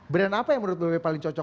brand apa yang menurut wih wih paling cocok